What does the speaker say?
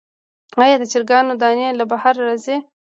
آیا د چرګانو دانی له بهر راځي؟